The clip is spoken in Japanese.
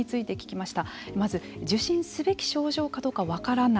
まず受診すべき症状かどうか分からない